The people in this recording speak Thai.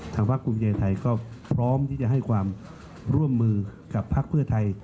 ทางภาคกรุงเจนไทยก็พร้อมที่จะให้ความร่วมมือกับภาคเพื่อไทย